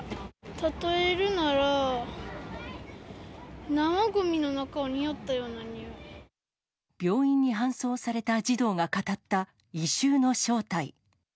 例えるなら、生ごみの中、病院に搬送された児童が語った異臭の正体。